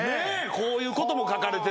こういうことも書かれてるんです。